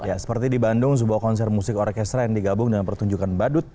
ya seperti di bandung sebuah konser musik orkestra yang digabung dengan pertunjukan badut